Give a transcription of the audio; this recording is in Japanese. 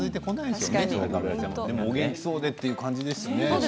でも、お元気そうでという感じですね。